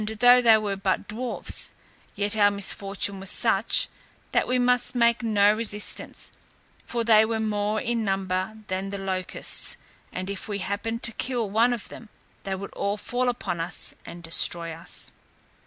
though they were but dwarfs, yet our misfortune was such, that we must make no resistance, for they were more in number than the locusts; and if we happened to kill one of them, they would all fall upon us and destroy us.